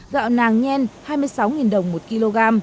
gạo nàng nhen hai mươi sáu đồng một kg